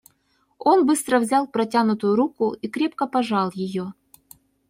Он быстро взял протянутую руку и крепко пожал ее.